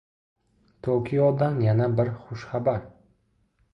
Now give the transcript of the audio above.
Tokiodan yana bir xushxabar